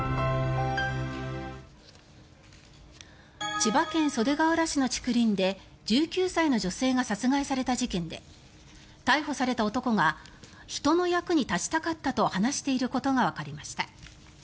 千葉県袖ケ浦市の竹林で１９歳の女性が殺害された事件で逮捕された男が人の役に立ちたかったと話していることがわかりました。